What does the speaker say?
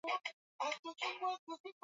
nyingine juu ya motorways bila wakati wa